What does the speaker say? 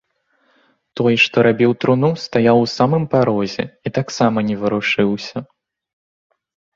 Той, што рабіў труну, стаяў у самым парозе і таксама не варушыўся.